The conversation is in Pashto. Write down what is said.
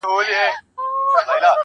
د ځان وژني د رسۍ خریدارۍ ته ولاړم.